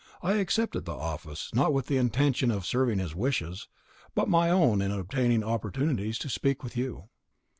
I accepted the office, not with the intention of serving his wishes, but my own in obtaining opportunities to speak with you.